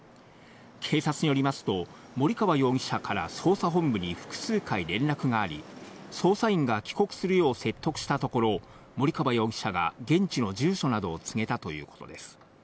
警察によりますと、森川容疑者から捜査本部に複数回連絡があり、捜査員が帰国するよう説得したところ、森川容疑者が現地の住所などを告げたということです。